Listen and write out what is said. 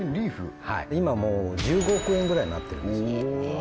今もう１５億円ぐらいになってるんです